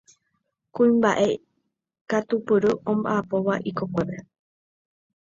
Kuimbaʼe katupyry ombaʼapóva ikokuépe.